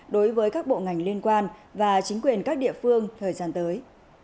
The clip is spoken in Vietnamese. đối với các bộ ngành liên quan và chính quyền các địa phương thời gian tới